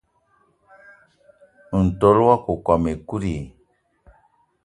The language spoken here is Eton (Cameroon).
Ntol wakokóm ekut i?